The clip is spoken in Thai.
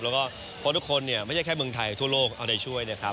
แล้วก็เพราะทุกคนเนี่ยไม่ใช่แค่เมืองไทยทั่วโลกเอาใจช่วยนะครับ